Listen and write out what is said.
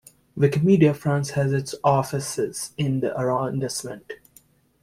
Wikimedia France has its offices in the arrondissement.